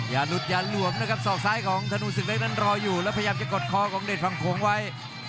อย่าหลุดอย่าหลวมนะครับศอกซ้ายของธนูศึกเล็กนั้นรออยู่แล้วพยายามจะกดคอของเดชฝั่งโขงไว้